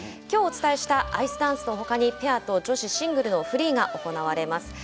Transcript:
きょうお伝えしたアイスダンスのほかにペアと女子シングルのフリーが行われます。